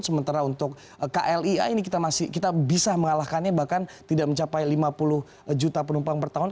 sementara untuk klia ini kita bisa mengalahkannya bahkan tidak mencapai lima puluh juta penumpang per tahun